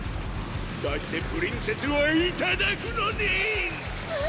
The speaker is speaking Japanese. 「そしてプリンセスをいただくのねん！」